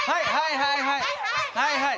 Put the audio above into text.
はいはいはいはい！